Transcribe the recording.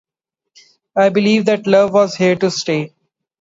I believed that love was here to stay.